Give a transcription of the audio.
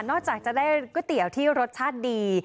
จากจะได้ก๋วยเตี๋ยวที่รสชาติดี